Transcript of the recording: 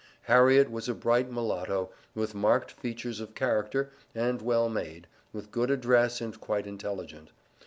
Harriet was a bright mulatto, with marked features of character, and well made, with good address and quite intelligent.